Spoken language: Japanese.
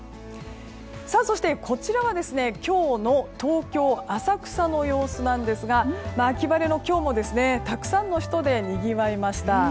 そして、こちらは今日の東京・浅草の様子なんですが秋晴れの今日もたくさんの人でにぎわいました。